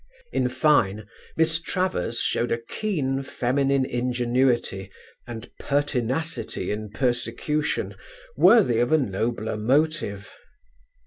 In fine Miss Travers showed a keen feminine ingenuity and pertinacity in persecution worthy of a nobler motive.